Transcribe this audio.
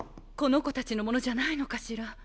この子たちのものじゃないのかしら？